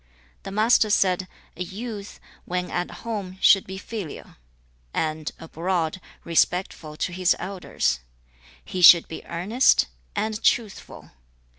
The Master said, 'A youth, when at home, should be filial, and, abroad, respectful to his elders. He should be earnest and truthful.